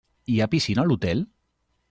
Hi ha piscina a l'hotel?